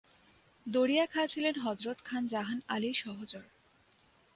দরিয়া খাঁ ছিলেন হযরত খান জাহান আলীর সহচর।